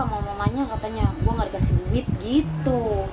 katanya katanya gue gak dikasih duit gitu